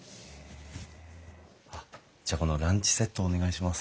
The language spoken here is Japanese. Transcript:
あっじゃあこのランチセットお願いします。